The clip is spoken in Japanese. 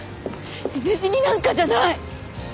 犬死になんかじゃない！